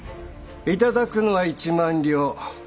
頂くのは１万両。